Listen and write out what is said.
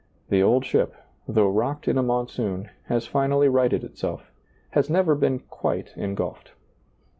The old ship, though rocked in a monsoon, has finally righted itself, has never been quite engulfed.